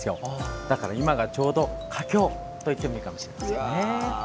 だから今がちょうど佳境といってもいいかもしれません。